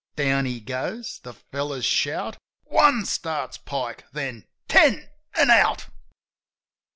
Down he goes; the fellows shout. "One !" starts Pike, then ... "Ten— an' out